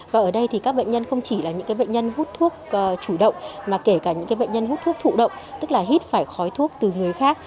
và ở đây thì các bệnh nhân không chỉ là những bệnh nhân hút thuốc chủ động mà kể cả những bệnh nhân hút thuốc thụ động tức là hít phải khói thuốc từ người khác